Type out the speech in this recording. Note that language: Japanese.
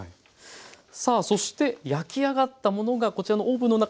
さあそして焼き上がったものがこちらのオーブンの中に入ってます。